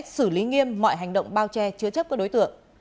xử lý nghiêm mọi hành động bao che chứa chấp các đối tượng